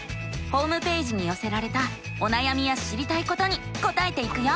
ホームページによせられたおなやみや知りたいことに答えていくよ。